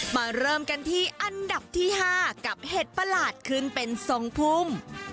มาเริ่มกันที่อันดับที่๕กับเห็ดประหลาดขึ้นเป็นทรงภูมิ